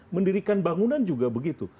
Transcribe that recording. mendirikan bangunan juga begitu